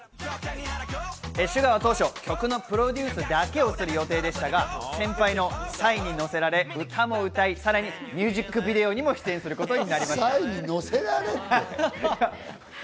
ＳＵＧＡは当初、曲のプロデュースだけをする予定でしたが、先輩のＰＳＹに乗せられ、歌も歌い、さらにミュージックビデオにも出演することになりました。